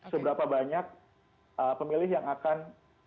seberapa banyak pemilih yang akan